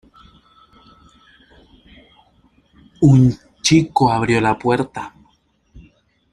Un chico abrió la puerta.